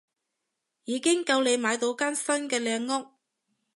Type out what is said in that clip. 已經夠你買到間新嘅靚屋